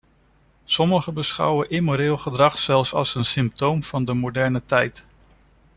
Sommigen beschouwen immoreel gedrag zelfs als een symptoom van de moderne tijd.